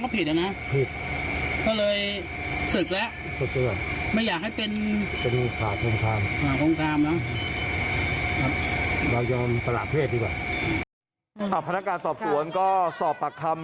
พนักงานสอบสวนก็สอบปากคำ